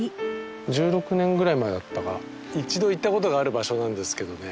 １６年ぐらい前だったか一度行ったことがある場所なんですけどね。